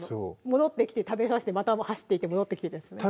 戻ってきて食べさせてまた走っていって戻ってきてですね